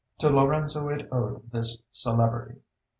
To Lorenzo it owed this celebrity.